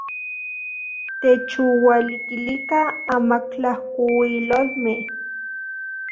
Techualikilikan amatlajkuilolmej.